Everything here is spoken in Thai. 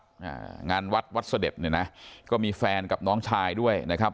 อ่างานวัดวัดเสด็จเนี่ยนะก็มีแฟนกับน้องชายด้วยนะครับ